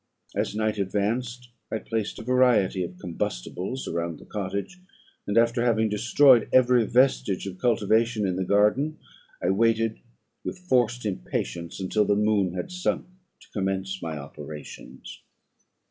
As night advanced, I placed a variety of combustibles around the cottage; and, after having destroyed every vestige of cultivation in the garden, I waited with forced impatience until the moon had sunk to commence my operations.